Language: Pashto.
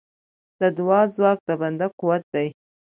د دعا ځواک د بنده قوت دی.